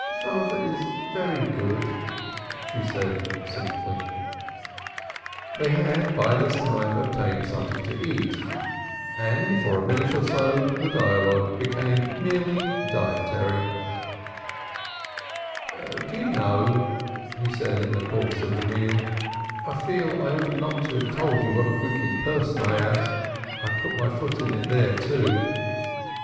"Father is very good," she said simply. They had by this time obtained something to eat, and for a minute or so the dialogue became merely dietary. "Do you know," he said in the course of the meal, "I feel I ought not to have told you what a wicked person I am? I put my foot into it there, too."